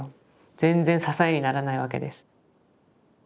全然支えにならないわけです。